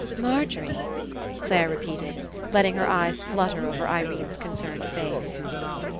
"Margery?" Clare repeated, letting her eyes flutter over Irene's concerned face.